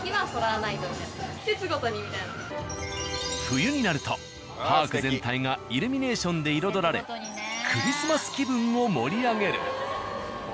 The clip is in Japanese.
冬になるとパーク全体がイルミネーションで彩られクリスマス気分を盛り上げる。